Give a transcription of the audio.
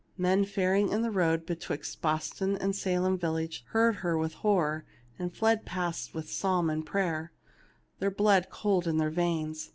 Men faring in the road betwixt Boston and Salem village heard her with horror, and fled past with psalm and prayer, their blopd cold in their veins.